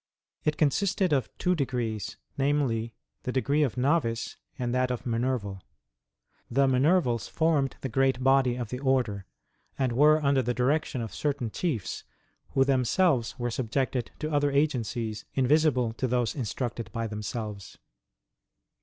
It consisted of two degrees, namely, the degree of Novice and that of Minerval. The Miuervals formed the great body of the order, and were under the direction of certain chiefs, who themselves were subjected to other agencies invisible to those instructed by themselves.